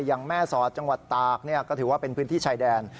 อย่างแม่สอดจังหวัดตากก็ถือว่าเป็นพื้นที่ชายแดน